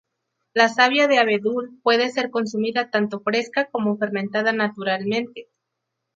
La savia de abedul puede ser consumida tanto fresca como fermentada naturalmente.